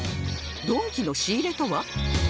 ドンキの仕入れとは？